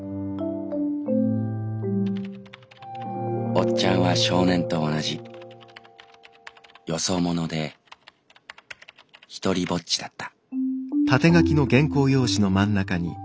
「おっちゃんは少年と同じ『よそ者』で『独りぼっち』だった」。